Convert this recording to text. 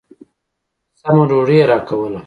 سمه ډوډۍ يې راکوله.